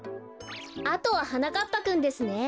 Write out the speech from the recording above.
あとははなかっぱくんですね。